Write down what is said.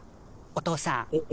おお父さん？